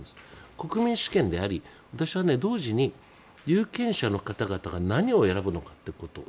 国民主権であり私は同時に有権者の方々が何を選ぶのかと。